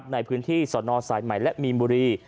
ในพื้นที่สนสายใหม่และมีนบุรี